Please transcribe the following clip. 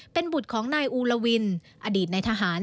เป็นบุตรของนายอูลวินอดีตในทหาร